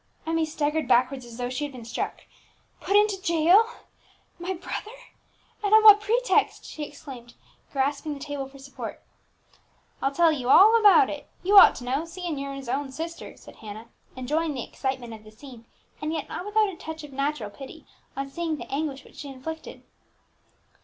Emmie staggered backwards as though she had been struck. "Put into jail! my brother! and on what pretext?" she exclaimed, grasping the table for support. "I'll tell you all about it you ought to know, seeing you're his own sister," said Hannah, enjoying the excitement of the scene, and yet not without a touch of natural pity, on seeing the anguish which she inflicted.